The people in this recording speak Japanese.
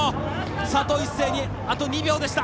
佐藤一世にあと２秒でした。